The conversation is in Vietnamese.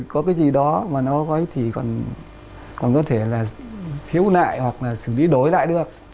có gì đó mà nó có thì còn có thể là thiếu nại hoặc là xử lý đổi lại được